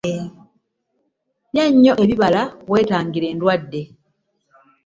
Lya nnyo ebibala wetangire endwadde.